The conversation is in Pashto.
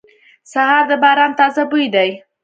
سهار د باران تازه بوی دی.